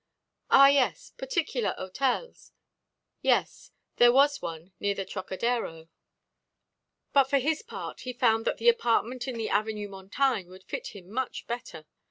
"Ah, yes, particular hôtels." Yes, there was one near the Trocadero, but for his part he found that the apartment in the Avenue Montaigne would fit him much better.